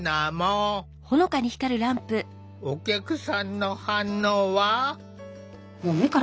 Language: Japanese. お客さんの反応は？